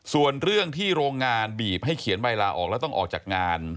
ส่วนเรื่องที่โรงงานบีบให้เขียนใบลาออกแล้วต้องออกจากงาน